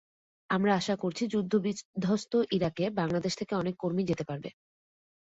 আমরা আশা করছি যুদ্ধবিধ্বস্ত ইরাকে বাংলাদেশ থেকে অনেক কর্মী যেতে পারবে।